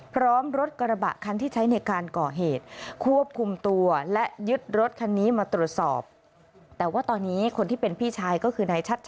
พร้อมรถกระบะคันที่ใช้ในการเกาะเหตุ